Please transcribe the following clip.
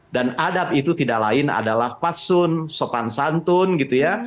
dan adab itu tidak lain adalah patsun sopan santun gitu ya